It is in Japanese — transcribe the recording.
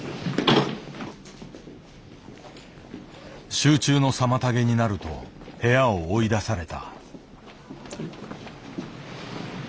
集中の妨げになると部屋を追い出された。